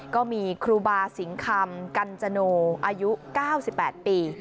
ก็มีครูบาสิงคำกัญจโนอายุ๙๘ปี